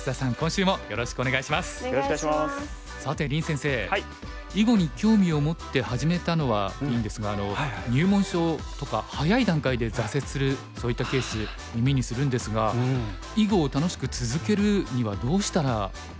さて林先生囲碁に興味を持って始めたのはいいんですが入門書とか早い段階で挫折するそういったケース耳にするんですが囲碁を楽しく続けるにはどうしたらいいと思いますか？